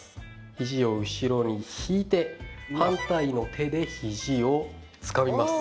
肘を後ろに引いて反対の手で肘をつかみます。